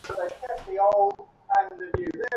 তাফসীরবিদদের পরিভাষায় এগুলোকে মুতাখায়্যারা বলা হয়।